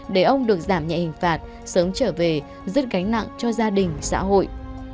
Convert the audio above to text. để ông được giảm nhẹ hình phạt sớm trở về rất gánh nặng cho gia đình xã hội